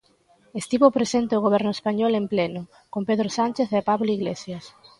Estivo presente o Goberno español en pleno, con Pedro Sánchez e Pablo Iglesias.